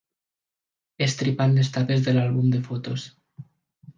He estripat les tapes de l'àlbum de fotos.